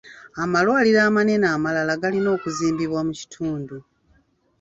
Amalwaliro amanene amalala galina okuzimbibwa mu kitundu.